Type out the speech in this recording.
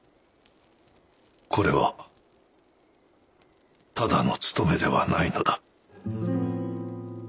これはただの盗めではないのだ。